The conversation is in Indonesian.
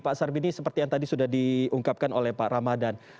pak sarbini seperti yang tadi sudah diungkapkan oleh pak ramadan